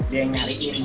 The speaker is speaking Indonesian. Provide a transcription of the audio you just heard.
dia yang nyariin